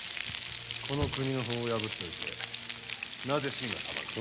この国の法を破っておいてなぜ清が裁く。